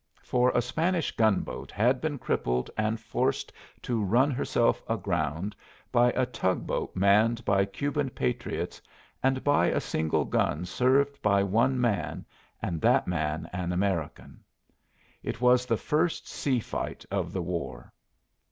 For a Spanish gun boat had been crippled and forced to run herself aground by a tug boat manned by Cuban patriots, and by a single gun served by one man, and that man an American. It was the first sea fight of the war.